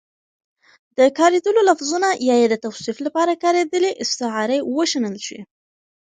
د کارېدلو لفظونو يا يې د توصيف لپاره کارېدلې استعارې وشنل شي